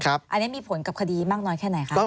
อันนี้มีผลกับคดีมากน้อยแค่ไหนคะ